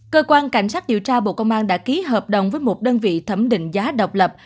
cơ quan cảnh sát điều tra bộ công an đã ký hợp đồng với một đơn vị thẩm định giá độc lập